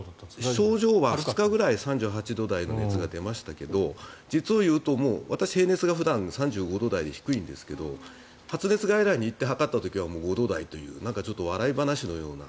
症状は２日ぐらい３８度台の熱が出ましたけど実を言うと私、平熱が普段３５度台で低いんですが発熱外来にいって測った時にはもう３５度台というちょっと笑い話のような。